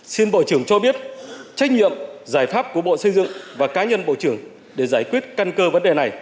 xin bộ trưởng cho biết trách nhiệm giải pháp của bộ xây dựng và cá nhân bộ trưởng để giải quyết căn cơ vấn đề này